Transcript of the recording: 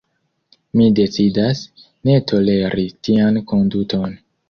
Mi decidas, ne toleri tian konduton.